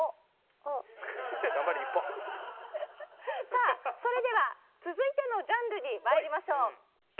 さあそれでは続いてのジャンルに参りましょう。